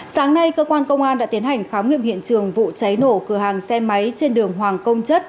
sáng nay cơ quan công an đã tiến hành khám nghiệm hiện trường vụ cháy nổ cửa hàng xe máy trên đường hoàng công chất